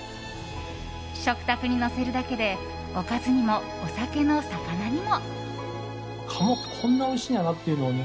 食卓に添えるだけでおかずにも、お酒のさかなにも！